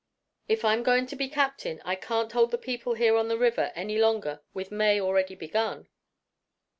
If I'm going to be captain I can't hold the people here on the river any longer, with May already begun."